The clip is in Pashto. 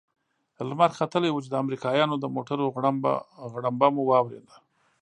لمر ختلى و چې د امريکايانو د موټرو غړمبه مو واورېد.